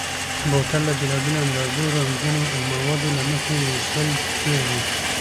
بوتل د بېلابېلو اندازو، رنګونو او موادو له مخې وېشل کېږي.